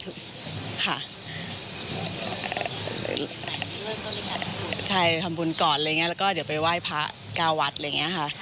โดยนะใช่ทำบุญก่อนเลยเงี้ยแล้วก็เดี๋ยวไปไหว้พระกาวัดเลยเงี้ย